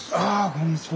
こんにちは。